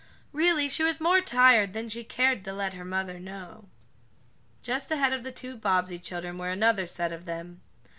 Really she was more tired than she cared to let her mother know. Just ahead of the two Bobbsey children were another set of them.